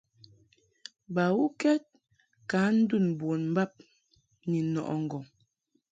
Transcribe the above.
Bawukɛd ka ndun bon bab ni nɔʼɨ ŋgɔŋ.